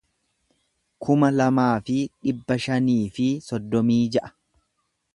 kuma lamaa fi dhibba shanii fi soddomii ja'a